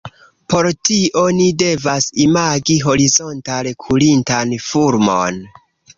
Por tio ni devas imagi horizontale kurintan fulmon.